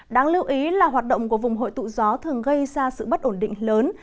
đáng lưu ý là hoạt động của vùng hội tụ gió thường gây ra sự bất ổn định lớn